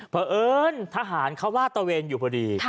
เพราะเอิญทหารเขาลาดตะเวนอยู่พอดี